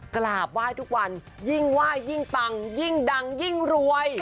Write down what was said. กราบว่ายทุกวันยิ่งว่ายยิ่งตังยิ่งดังยิ่งรวย